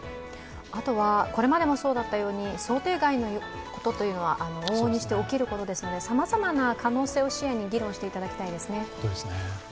あとはこれまでもそうだったように想定外のことは往々にして起きることですのでさまざまな可能性を視野に議論していただきたいです。